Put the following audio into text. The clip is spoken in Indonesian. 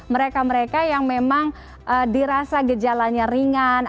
mereka mereka yang memang dirasa gejalanya ringan